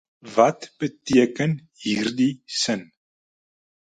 Wat beteken hierdie sin?